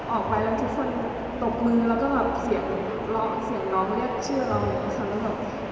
ออกไปแล้วทุกคนตกมือแล้วก็เสียงร้องเรียกชื่อเรา